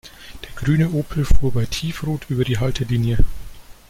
Der grüne Opel fuhr bei Tiefrot über die Haltelinie.